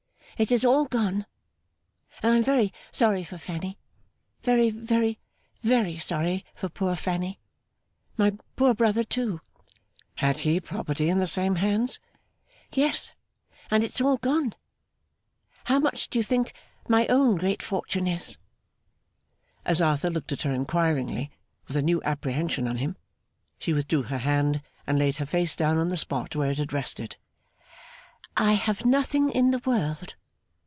It is all gone. I am very sorry for Fanny; very, very, very sorry for poor Fanny. My poor brother too!' 'Had he property in the same hands?' 'Yes! And it's all gone. How much do you think my own great fortune is?' As Arthur looked at her inquiringly, with a new apprehension on him, she withdrew her hand, and laid her face down on the spot where it had rested. 'I have nothing in the world.